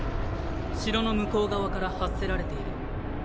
城の向こう側から発せられている。